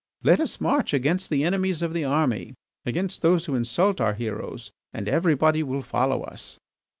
Let us march against the enemies of the army, against those who insult our heroes, and everybody will follow us."